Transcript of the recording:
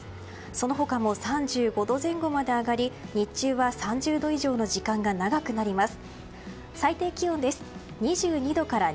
その他も３５度前後まで上がり日中は３０度以上の時間が長くなります。